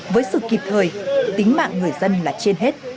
với sự kịp thời tính mạng người dân là trên hết